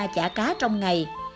chả cá trong ngày